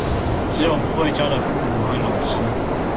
只有不會教的父母和老師